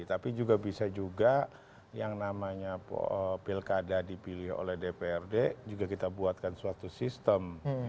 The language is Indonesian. tapi juga bisa juga yang namanya pilkada dipilih oleh dprd juga kita buatkan suatu sistem